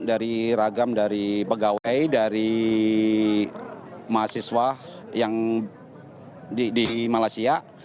dari ragam dari pegawai dari mahasiswa yang di malaysia